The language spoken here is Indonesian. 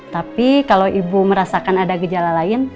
tapi kalau ibu merasakan ada gejala lain